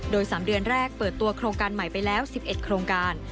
โดย๓เดือนแรกเปิดตัวโครงการใหม่ไปแล้ว๑๑โครงการ